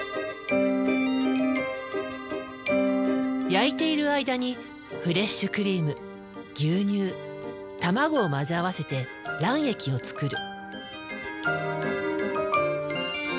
焼いている間にフレッシュクリーム牛乳たまごを混ぜ合わせて卵液を作る。